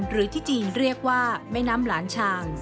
หรือที่จีนเรียกว่าแม่น้ำหลานชาง